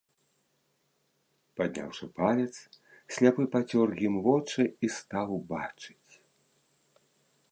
Падняўшы палец, сляпы пацёр ім вочы і стаў бачыць.